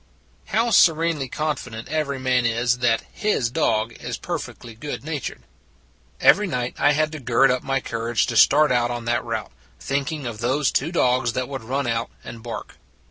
How serenely confident every man is that his dog is perfectly good natured! Every night I had to gird up my cour age to start out on that route, thinking of those two dogs that would run out and bark.